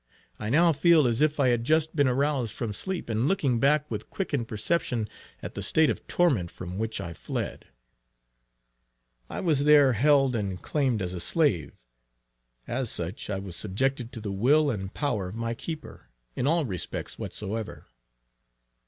I now feel as if I had just been aroused from sleep, and looking back with quickened perception at the state of torment from whence I fled. I was there held and claimed as a slave; as such I was subjected to the will and power of my keeper, in all respects whatsoever.